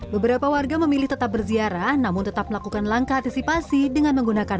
beberapa warga memilih tetap berziarah namun tetap melakukan langkah antisipasi dengan menggunakan